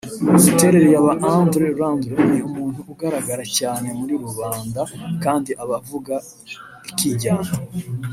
Imiterere ya ba Landry Landry ni umuntu ugaragara cyane muri rubanda kandi aba avuga rikijyana